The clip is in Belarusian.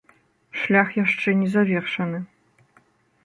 Шлях яшчэ не завершаны.